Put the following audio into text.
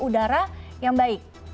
udara yang baik